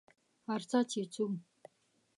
ارڅه چې څو